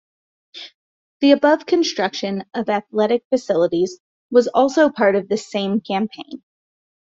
The above construction of athletic facilities was also part of this same campaign.